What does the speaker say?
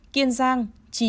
kiên giang chín